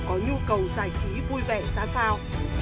có nhu cầu giải trí vui vẻ ra sao